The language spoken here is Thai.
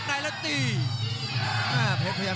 กรรมการเตือนทั้งคู่ครับ๖๖กิโลกรัม